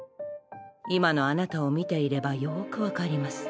今のあなたを見ていればよく分かります。